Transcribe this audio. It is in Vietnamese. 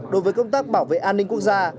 đối với công tác bảo vệ an ninh quốc gia